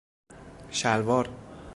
شلوار